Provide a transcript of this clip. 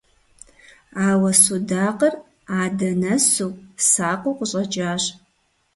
Ауэ судакъыр адэ нэсу, сакъыу къыщӀэкӀащ.